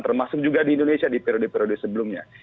termasuk juga di indonesia di periode periode sebelumnya